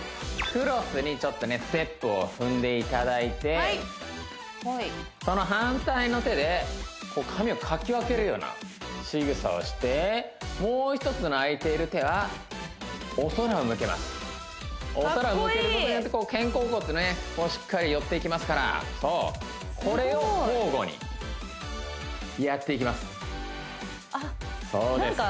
クロスにステップを踏んでいただいてその反対の手で髪をかき分けるようなしぐさをしてもう一つの空いている手はお空を向けますお空向けることによって肩甲骨ねしっかり寄っていきますからそうこれを交互にやっていきます